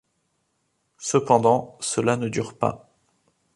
Cependant, cela ne dure pas.